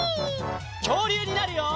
きょうりゅうになるよ！